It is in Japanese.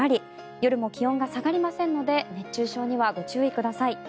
夜も気温が下がりますので熱中症にはご注意ください。